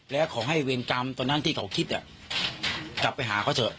แล้วขอให้เวรกรรมตอนนั้นที่เขาคิดกลับไปหาเขาเถอะ